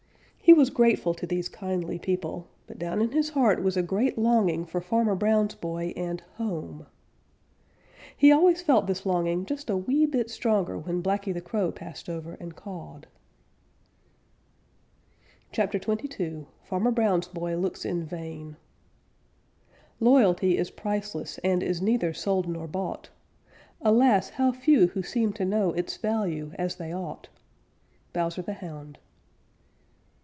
He was grateful to these kindly people, but down in his heart was a great longing for Farmer Brown's boy and home. He always felt this longing just a wee bit stronger when Blacky the Crow passed over and cawed. CHAPTER XXII FARMER BROWN'S BOY LOOKS IN VAIN Loyalty is priceless and Is neither sold nor bought. Alas, how few who seem to know Its value as they ought. _Bowser the Hound.